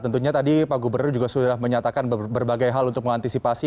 tentunya tadi pak gubernur juga sudah menyatakan berbagai hal untuk mengantisipasi